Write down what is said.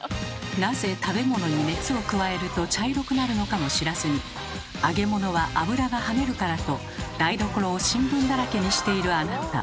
なぜ食べ物に熱を加えると茶色くなるのかも知らずに揚げ物は油がはねるからと台所を新聞だらけにしているあなた。